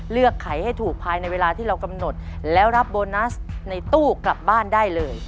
ไขให้ถูกภายในเวลาที่เรากำหนดแล้วรับโบนัสในตู้กลับบ้านได้เลย